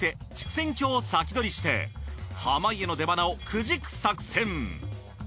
仙郷を先取りして濱家の出鼻をくじく作戦。